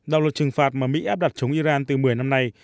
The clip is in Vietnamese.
đạo luật trừng phạt mà mỹ áp đặt chống iran từ một mươi năm nay